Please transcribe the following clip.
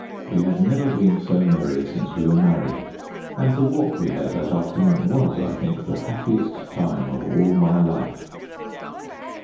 We had never been so merry since we were married, and the walk we had that afternoon was, I think, the happiest time of all my life.